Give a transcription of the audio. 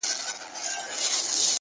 دا غرونه “ غرونه دي ولاړ وي داسي”